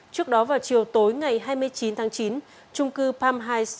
trước đó vào chiều tối ngày hai mươi chín tháng chín trung cư palm heights